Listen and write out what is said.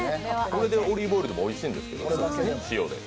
これでオリーブオイルでもおいしいんですけど、塩で。